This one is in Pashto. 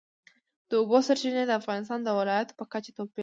د اوبو سرچینې د افغانستان د ولایاتو په کچه توپیر لري.